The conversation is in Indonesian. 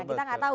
kita gak tahu